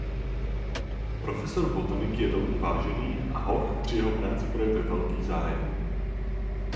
Profesor botaniky je velmi vážený a hoch při jeho práci projevuje velký zájem.